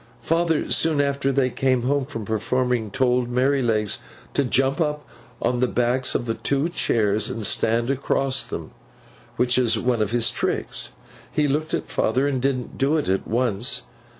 'Father, soon after they came home from performing, told Merrylegs to jump up on the backs of the two chairs and stand across them—which is one of his tricks. He looked at father, and didn't do it at once.